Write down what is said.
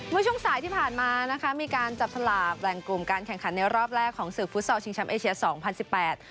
เมื่อช่วงสายที่ผ่านมานะคะมีการจับฉลากแบ่งกลุ่มการแข่งขันในรอบแรกของศึกฟุตซอลชิงแชมป์เอเชียสองพันสิบแปด